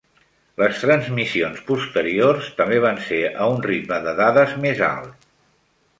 Les transmissions posteriors també van ser a un ritme de dades més alt.